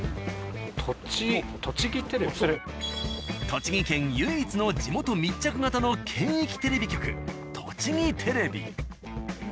栃木県唯一の地元密着型の県域テレビ局とちぎテレビ。